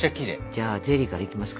じゃあゼリーからいきますか。